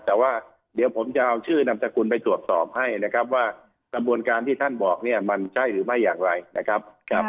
แต่ว่าเดี๋ยวผมจะเอาชื่อนามสกุลไปตรวจสอบให้นะครับว่ากระบวนการที่ท่านบอกเนี่ยมันใช่หรือไม่อย่างไรนะครับ